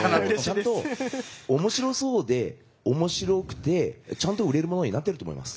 ちゃんと面白そうで面白くてちゃんと売れるものになってると思います。